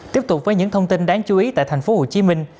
tiếp tục với những thông tin đáng chú ý tại thành phố hồ chí minh